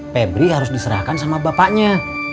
pebri harus diserahkan sama bapaknya